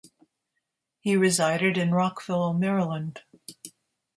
He resided in Rockville, Maryland.